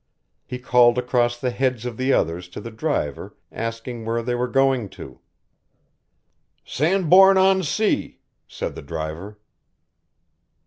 He called across the heads of the others to the driver asking where they were going to. "Sandbourne on Sea," said the driver.